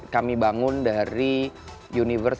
kami bangun dari universe